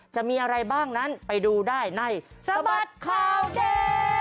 จะมีอะไรบ้างนั้นไปดูได้ในสบัดข่าวเด็ด